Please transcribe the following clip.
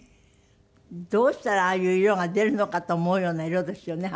どうしたらああいう色が出るのかと思うような色ですよね